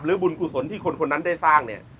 หรือบุญคุณสนที่คนนั้นได้สร้าง